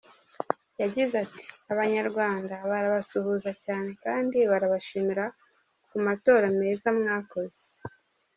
Yagize ati “Abanyarwanda barabasuhuza cyane kandi barabashimira ku matora meza mwakoze.